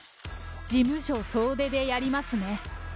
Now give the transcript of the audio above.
事務所総出でやりますね。